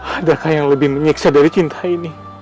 adakah yang lebih menyiksa dari cinta ini